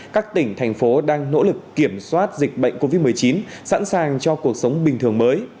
các tỉnh thành phố đang nỗ lực kiểm soát dịch bệnh covid một mươi chín sẵn sàng cho cuộc sống bình thường mới